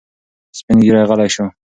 سپین ږیری غلی شو.